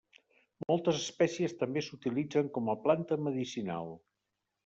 Moltes espècies també s'utilitzen com a planta medicinal.